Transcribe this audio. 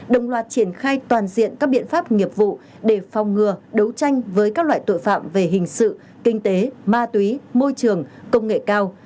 đồng loạt triển khai toàn diện các biện pháp nghiệp vụ để phòng ngừa đấu tranh với các loại tội phạm về hình sự kinh tế ma túy môi trường công nghệ cao